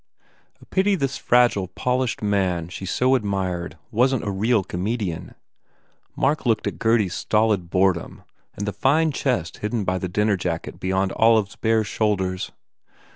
A pity this fragile, polished man she so ad mired wasn t a real comedian. Mark looked at Gurdy s stolid boredom and the fine chest hidden by the dinner jacket beyond Olive s bare shoul ders.